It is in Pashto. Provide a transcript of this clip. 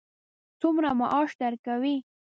څومره معاش درکوي.